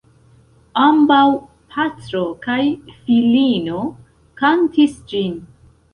Ambaŭ, patro kaj filino kantis ĝin.